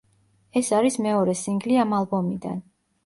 ეს არის მეორე სინგლი ამ ალბომიდან.